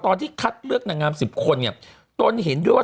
ตอนที่คัดเลือกนางงาม๑๐คนเนี่ยตนเห็นด้วยว่า